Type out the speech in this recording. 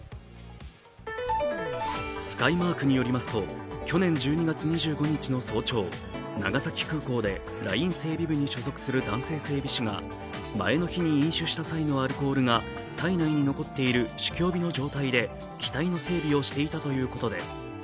スカイマークによりますと去年１２月２５日の早朝、長崎空港でライン整備部に所属する男性整備士が前の日に飲酒した際のアルコールが体内に残っている酒気帯びの状態で機体の整備をしていたということです。